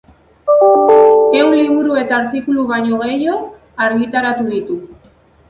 Ehun liburu eta artikulu baino gehiago argitaratu ditu.